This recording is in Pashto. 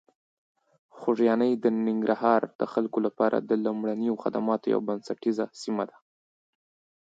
خوږیاڼي د ننګرهار د خلکو لپاره د لومړنیو خدماتو یوه بنسټیزه سیمه ده.